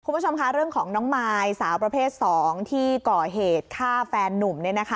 คุณผู้ชมค่ะเรื่องของน้องมายสาวประเภท๒ที่ก่อเหตุฆ่าแฟนนุ่ม